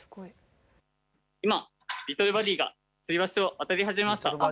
今リトルバディがつり橋を渡り始めました！